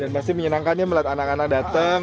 dan pasti menyenangkannya melihat anak anak datang